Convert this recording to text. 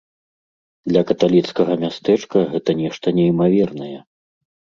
Для каталіцкага мястэчка гэта нешта неймавернае.